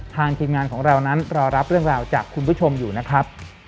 ทีมงานของเรานั้นรอรับเรื่องราวจากคุณผู้ชมอยู่นะครับ